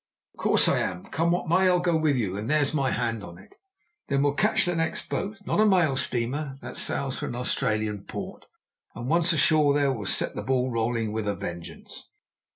"Of course I am. Come what may, I'll go with you, and there's my hand on it." "Then we'll catch the next boat not a mail steamer that sails for an Australian port, and once ashore there we'll set the ball a rolling with a vengeance."